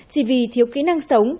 chỉ vì thiếu kỹ năng sống